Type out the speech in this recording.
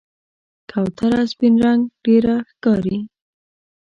کوتره سپین رنګ ډېره ښکاري.